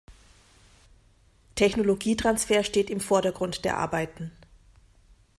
Technologietransfer steht im Vordergrund der Arbeiten.